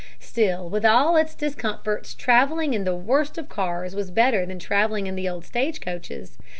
Still, with all its discomforts, traveling in the worst of cars was better than traveling in the old stagecoaches.